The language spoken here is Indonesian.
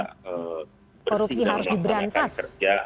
korupsi harus diberantas